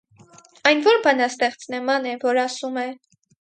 Այն ո՞ր բանաստեղծն է, Մանե, որ ասում է.